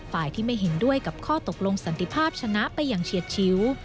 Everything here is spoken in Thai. ฝ่ายที่ไม่เห็นด้วยกับข้อตกลงสันติภาพชนะไปอย่างเฉียดชิว